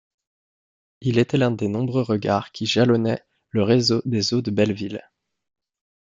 Il était l'un des nombreux regards qui jalonnaient le réseau des eaux de Belleville.